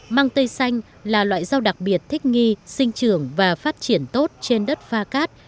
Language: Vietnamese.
mang tây xanh là loại rau đặc biệt thích nghi sinh trưởng và phát triển tốt trên đất pha cát